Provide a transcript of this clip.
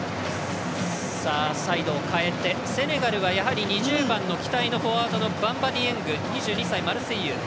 セネガルは、やはり２０番の期待のフォワードのバンバ・ディエング２２歳、マルセイユ。